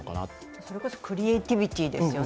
それこそクリエイティビティーですよね。